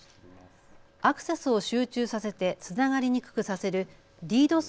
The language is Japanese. アクセスを集中させてつながりにくくさせるＤＤｏＳ